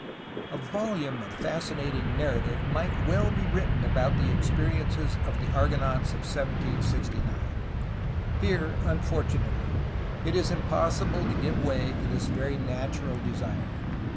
A volume of fascinating narrative might well be written of the experiences of the Argonauts of 1769. Here, un fortunately, it is impossible to give way to this very natural desire.